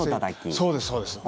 そうです、そうです。